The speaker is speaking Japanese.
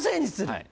はい。